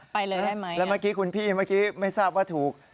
ไปเลยใช่ไหมอย่างนั้นคุณพี่ไม่ทราบว่าถูก